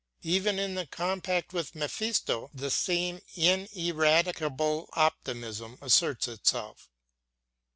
Even in the compact with Mephisto the same ineradicable optimism asserts itself.